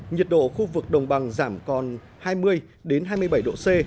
nhiệt độ khu vực đồng bằng giảm còn hai mươi hai mươi bảy độ c